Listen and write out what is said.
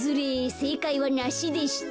せいかいはナシでした。